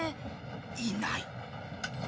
いない。